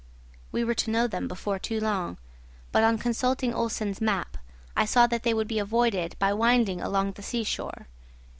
We were to know them before long, but on consulting Olsen's map, I saw that they would be avoided by winding along the seashore.